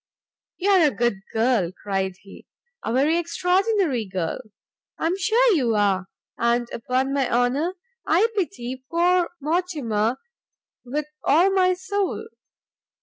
"You are a good girl," cried he, "a very extraordinary girl! I am sure you are; and upon my honour I pity poor Mortimer with all my soul!